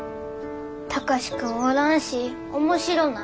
貴司君おらんし面白ない。